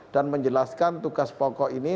dan menjelaskan tugas pokok ini